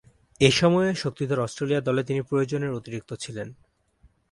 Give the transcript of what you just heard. এ সময়ে শক্তিধর অস্ট্রেলিয়া দলে তিনি প্রয়োজনের অতিরিক্ত ছিলেন।